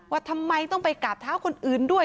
ว่าทำไมต้องไปกราบเท้าคนอื่นด้วย